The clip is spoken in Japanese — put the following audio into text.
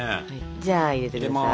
じゃあ入れて下さい。